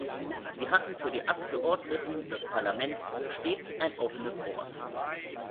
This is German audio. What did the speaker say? Sie hatten für die Abgeordneten des Parlaments stets ein offenes Ohr.